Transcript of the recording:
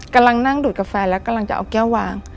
กำลังนั่งดูดกาแฟแล้วกำลังจะเอาแก้ววาง